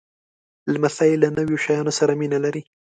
لمسی له نویو شیانو سره مینه لري.